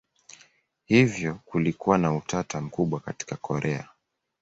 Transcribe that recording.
Hivyo kulikuwa na utata mkubwa katika Korea.